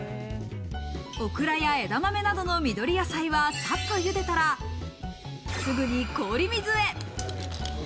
オクラや枝豆などの緑野菜はサッとゆでたら、すぐに氷水へ。